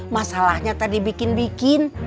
masalahnya tadi bikin bikin